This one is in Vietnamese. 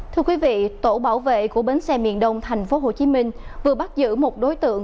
thưa quý vị tổ bảo vệ của bến xe miền đông thành phố hồ chí minh vừa bắt giữ một đối tượng